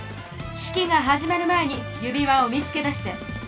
式が始まる前に指輪を見つけ出して！